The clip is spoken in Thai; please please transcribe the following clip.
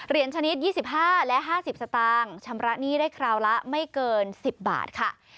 ชนิด๒๕และ๕๐สตางค์ชำระหนี้ได้คราวละไม่เกิน๑๐บาทค่ะ